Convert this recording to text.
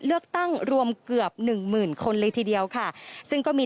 เลือกตั้งรวมเกือบหนึ่งหมื่นคนเลยทีเดียวค่ะซึ่งก็มี